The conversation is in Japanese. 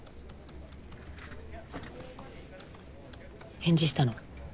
返事したの？